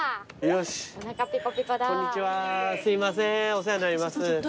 お世話になります。